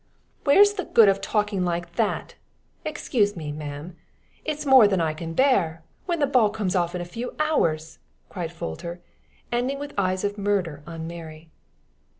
"Where's the good of talking like that excuse me, ma'am it's more than I can bear when the ball comes off in a few hours?" cried Folter, ending with eyes of murder on Mary.